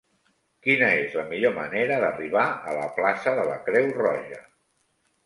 Quina és la millor manera d'arribar a la plaça de la Creu Roja?